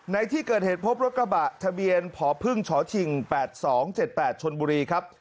ในที่เกิดเหตุพบรถกระบะทะเบียนพพชชิง๘๒๗๘ชนบุรีครับ